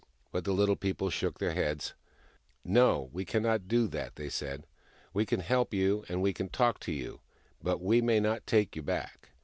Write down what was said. But the Little People shook their heads. " No, we cannot do that," they said. " We can help you, and we can talk to you, but we may not take you back.